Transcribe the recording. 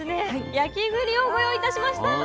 焼きぐりをご用意いたしました。